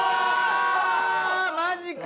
マジか！